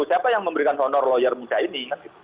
siapa yang memberikan honor lawyer muda ini